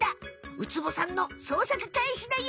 ウツボさんのそうさくかいしだよ！